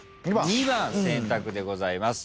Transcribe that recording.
２番選択でございます。